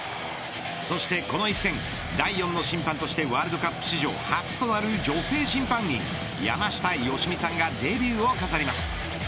そしてこの一戦第４の審判としてワールドカップ史上初となる女性審判員山下良美さんがデビューを飾ります。